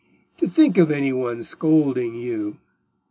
"To think of any one scolding you!